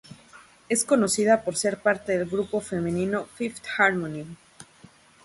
Es conocida por ser parte del grupo femenino "Fifth Harmony".